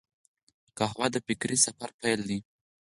قهوه د فکري سفر پیل دی